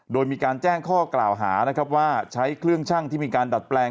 โดยมีการแจ้งข้อกล่าวหานะครับว่าใช้เครื่องชั่งที่มีการดัดแปลง